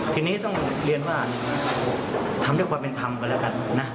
ทีนี้ต้องเรียนว่าทำด้วยความเป็นธรรมกันแล้วกันนะ